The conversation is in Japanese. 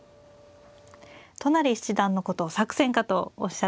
都成七段のことを作戦家とおっしゃっていました。